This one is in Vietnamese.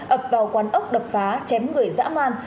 ập vào quán ốc đập phá chém người dã man